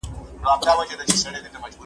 موږ د الله بنده ګان یو.